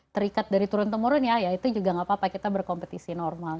terikat dari turun temurun ya ya itu juga gak apa apa kita berkompetisi normal